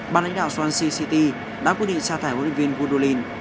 bác lãnh đạo swansea city đã quyết định xa thải huấn luyện viên goodwin